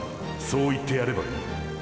そう言ってやればいい！！